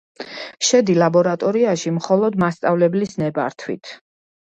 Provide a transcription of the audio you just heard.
შედი ლაბორატორიაში მხოლოდ მასწავლებლის ნებართვით.